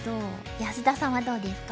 安田さんはどうですか？